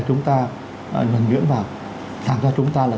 chúng ta nhuễn vào làm cho chúng ta là